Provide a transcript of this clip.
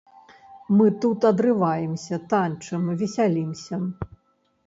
Мы тут адрываемся, танчым, весялімся.